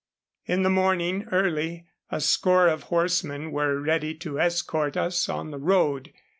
In the morning, early, a score of horsemen were ready to escort us on the road.